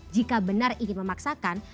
jika benar ingin memaksakan